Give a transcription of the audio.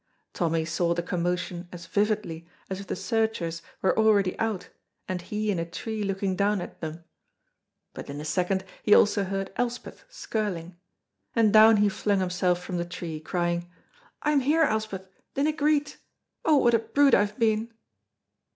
Tommy saw the commotion as vividly as if the searchers were already out and he in a tree looking down at them; but in a second he also heard Elspeth skirling, and down he flung himself from the tree, crying, "I'm here, Elspeth, dinna greet; oh, what a brute I've been!"